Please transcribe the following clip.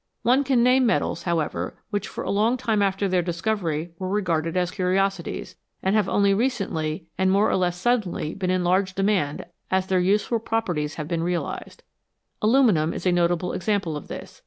One can name metals, however, which for a long time after their discovery were regarded as curiosities, and have only recently and more or less suddenly been in large demand as their useful properties have been realised. Aluminium is a notable example of this.